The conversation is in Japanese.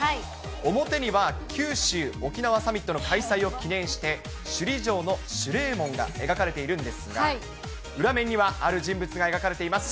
表には九州・沖縄サミットの開催を記念して、首里城の守礼門が描かれているんですが、裏面には、ある人物が描かれています。